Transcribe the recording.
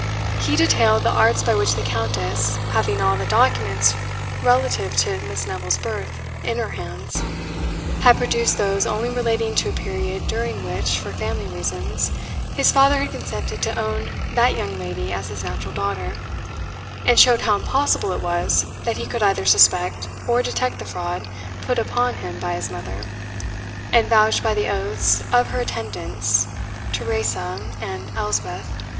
He detailed the arts by which the Countess, having all the documents relative to Miss Neville's birth in her hands, had produced those only relating to a period during which, for family reasons, his father had consented to own that young lady as his natural daughter, and showed how impossible it was that he could either suspect or detect the fraud put upon him by his mother, and vouched by the oaths of her attendants, Teresa and Elspeth.